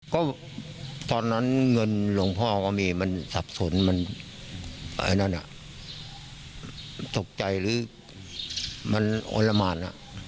ก็ตอนนั้นเงินหลวงพ่อก็มีมันสับสนมันตกใจหรือมันโอละหมาน